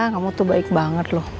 kamu tuh baik banget loh